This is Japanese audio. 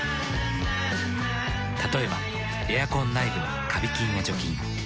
例えばエアコン内部のカビ菌を除菌。